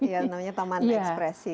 iya namanya taman ekspresi